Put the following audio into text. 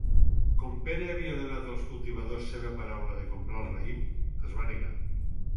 Com Pere havia donat als cultivadors seva paraula de comprar el raïm, es va negar.